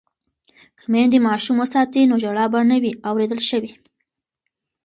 که میندې ماشوم وساتي نو ژړا به نه وي اوریدل شوې.